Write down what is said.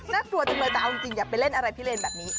น่ากลัวจังเลยแต่เอาจริงอย่าไปเล่นอะไรพิเลนแบบนี้